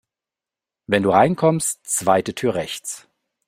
Wenn du reinkommst, zweite Tür rechts.